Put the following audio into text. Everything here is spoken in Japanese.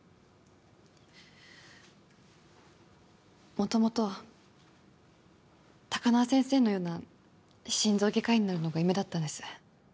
元々高輪先生のような心臓外科医になるのが夢だったんです